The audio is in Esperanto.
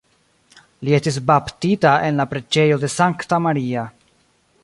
Li estis baptita en la Preĝejo de Sankta Maria.